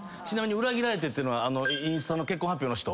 裏切られてっていうのはインスタの結婚発表の人？